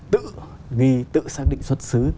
tự ghi tự xác định xuất xứ